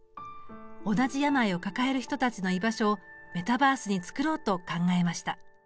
同じ病を抱える人たちの居場所をメタバースに作ろうと考えました。